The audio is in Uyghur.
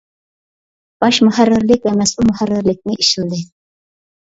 باش مۇھەررىرلىك ۋە مەسئۇل مۇھەررىرلىكىنى ئىشلىدى.